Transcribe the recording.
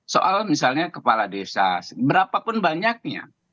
soal misalnya kepala desa seberapapun banyaknya